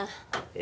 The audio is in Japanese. え？